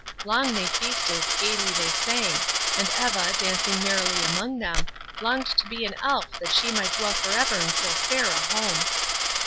Long they feasted, gayly they sang, and Eva, dancing merrily among them, longed to be an Elf that she might dwell forever in so fair a home.